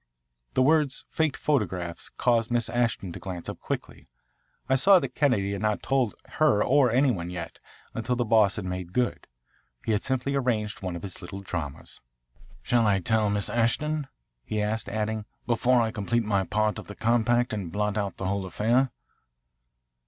The words, "faked photographs," caused Miss Ashton to glance up quickly. I saw that Kennedy had not told her or any one yet, until the Boss had made good. He had simply arranged one of his little dramas. "Shall I tell, Miss Ashton?" he asked, adding, "Before I complete my part of the compact and blot out the whole affair?"